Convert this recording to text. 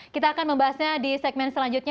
kita akan membahasnya di segmen selanjutnya